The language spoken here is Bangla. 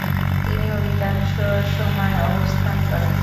তিনি অধিকাংশ সময় অবস্থান করেন।